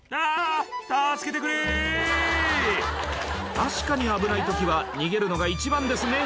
確かに危ない時は逃げるのが一番ですね